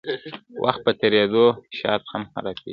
وخت په تېرېدو شات هم خرابیږي.